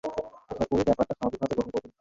আশা করি ব্যাপারটা স্বাভাবিকভাবে গ্রহণ করবেন।